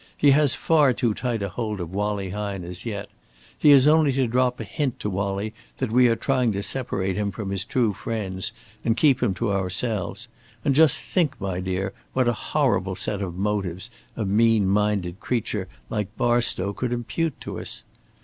He has far too tight a hold of Wallie Hine as yet. He has only to drop a hint to Wallie that we are trying to separate him from his true friends and keep him to ourselves and just think, my dear, what a horrible set of motives a mean minded creature like Barstow could impute to us!